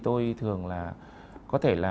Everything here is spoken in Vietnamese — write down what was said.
tôi thường là có thể là